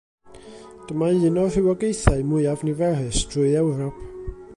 Dyma un o'r rhywogaethau mwyaf niferus drwy Ewrop.